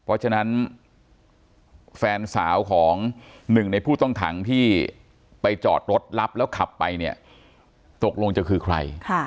เพราะฉะนั้นแฟนสาวของหนึ่งในผู้ต้องขังที่ไปจอดรถรับแล้วขับไปเนี่ยตกลงจะคือใคร